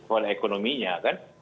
kepala ekonominya kan